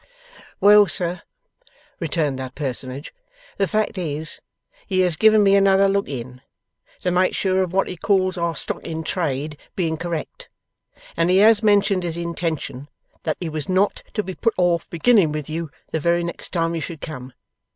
'Well, sir,' returned that personage, 'the fact is, he has given me another look in, to make sure of what he calls our stock in trade being correct, and he has mentioned his intention that he was not to be put off beginning with you the very next time you should come.